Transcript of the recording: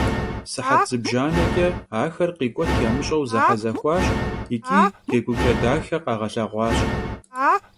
Сыхьэт зыбжанэкӏэ ахэр къикӏуэт ямыщӏэу зэхьэзэхуащ икӏи джэгукӏэ дахэ къагъэлъэгъуащ.